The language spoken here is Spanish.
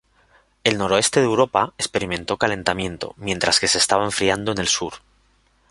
El noroeste de Europa experimentó calentamiento, mientras que se estaba enfriando en el sur.